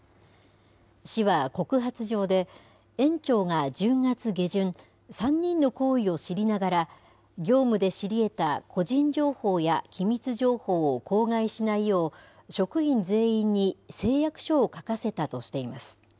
市は告発状で、園長が１０月下旬、３人の行為を知りながら、業務で知りえた個人情報や機密情報を口外しないよう、職員全員に誓約書を書かせたとしています。